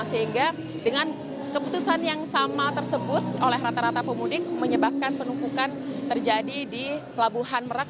sehingga dengan keputusan yang sama tersebut oleh rata rata pemudik menyebabkan penumpukan terjadi di pelabuhan merak